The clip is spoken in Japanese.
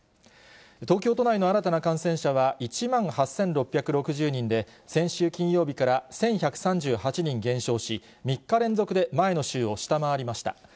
東京都内の新たな感染者は１万８６６０人で、先週金曜日から１１３８人減少し、３日連続で前の週を下回りました。